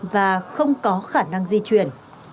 và không có khả năng di chuyển